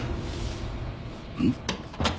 うん？